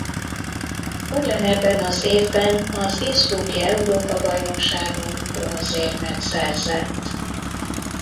Ugyanebben az évben az innsbrucki Európa-bajnokságon bronzérmet szerzett.